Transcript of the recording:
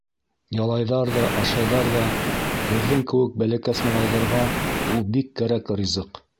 Ялайҙар ҙа, ашайҙар ҙа... һеҙҙең кеүек бәләкәс малайҙарға ул бик кәрәк ризыҡ.